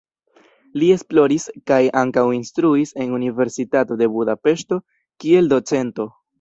Li esploris kaj ankaŭ instruis en Universitato de Budapeŝto kiel docento.